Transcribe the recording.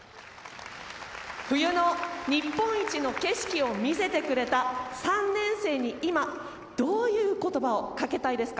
冬の日本一の景色を見せてくれた３年生に今、どういう言葉をかけたいですか？